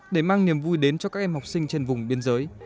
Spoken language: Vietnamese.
để mang niềm vui đến cho các em học sinh trên vùng biên giới